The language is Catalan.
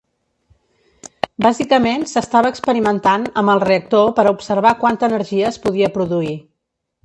Bàsicament s'estava experimentant amb el reactor per a observar quanta energia es podia produir.